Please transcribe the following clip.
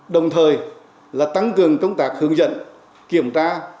đồng thời là tăng cường công tác hướng dẫn kiểm tra